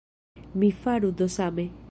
Mi faru do same!